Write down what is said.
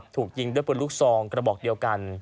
ถูกยิงด้วยปืนลูกซองกระบอกเดียวกัน